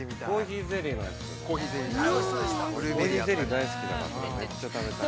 ◆コーヒーゼリー大好きだからめっちゃ食べたい。